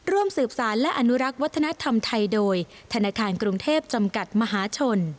ร่วมสืบสารและอนุรักษ์วัฒนธรรมไทยโดยธนาคารกรุงเทพจำกัดมหาชน